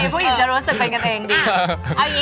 ผู้หญิงจะรู้สึกเป็นกันเอง